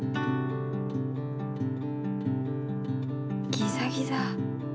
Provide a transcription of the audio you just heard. ギザギザ。